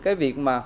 cái việc mà